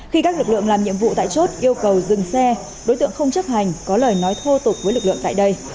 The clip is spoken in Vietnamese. khi các lực lượng làm nhiệm vụ tại chốt yêu cầu dừng xe đối tượng không chấp hành có lời nói thô tục với lực lượng tại đây